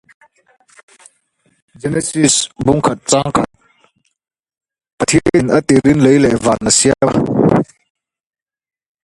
If for longer periods, regular checks should be made for the presence of polymers.